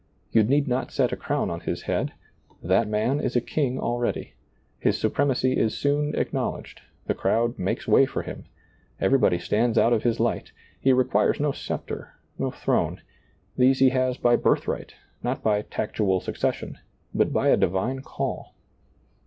You need not set a crown on his head, — that man is a king already ; his supremacy is soon acknowledged, the crowd makes way for him, everybody stands out of his light, he requires no scepter, no throne ; these he has by birthright, not by tactual succession, but by a divine call.